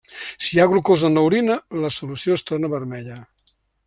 Si hi ha glucosa en l'orina, la solució es torna vermella.